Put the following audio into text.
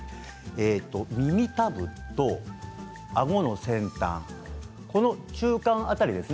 耳たぶとあごの先端の中間辺りです。